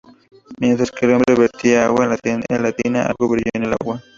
Mientras que el hombre vertía agua en la tina, algo brilló en el agua.